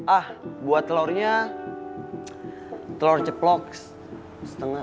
ah buat telurnya telur ceploks setengah